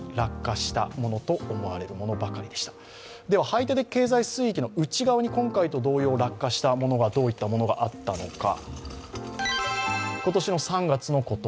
排他的経済水域の内側に今回と同様に落下したものはどういったものがあったのか。